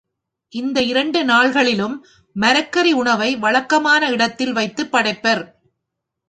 இந்த இரண்டு நாள் களிலும் மரக்கறி உணவை வழக்கமான இடத்தில் வைத்துப் படைப்பர்.